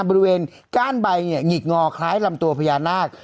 ก้านใบเนี่ยหงิกงอคล้ายลำตัวพญานาค